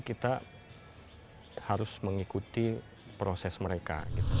kita harus mengikuti proses mereka